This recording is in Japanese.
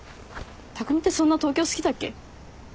匠ってそんな東京好きだっけ？